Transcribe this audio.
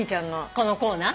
このコーナー？